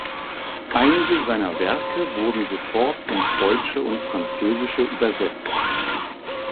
Einige seiner Werke wurden sofort ins Deutsche und Französische übersetzt.